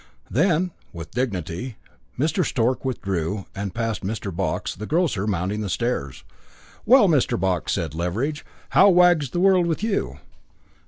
Then, with dignity, Mr. Stork withdrew, and passed Mr. Box, the grocer, mounting the stairs. "Well, Mr. Box," said Leveridge, "how wags the world with you?"